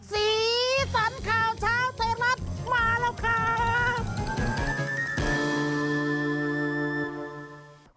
สีสันข่าวเช้าไทยรัฐมาแล้วครับ